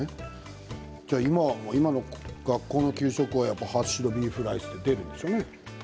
今の給食はハッシュドビーフライスと出るんでしょうね。